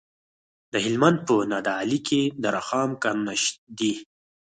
د هلمند په نادعلي کې د رخام کانونه دي.